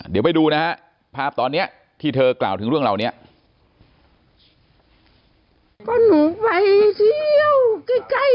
เดี๋ยวไปดูนะฮะภาพตอนเนี้ยที่เธอกล่าวถึงเรื่องเหล่านี้